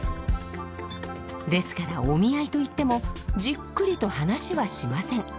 ですからお見合いといってもじっくりと話はしません。